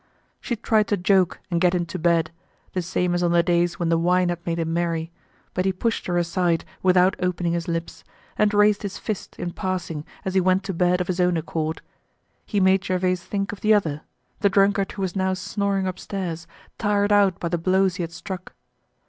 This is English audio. She tried to joke and get him to bed, the same as on the days when the wine had made him merry; but he pushed her aside without opening his lips, and raised his fist in passing as he went to bed of his own accord. He made Gervaise think of the other—the drunkard who was snoring upstairs, tired out by the blows he had struck.